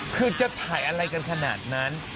คือจะถ่ายอะไรกันขนาดนั้น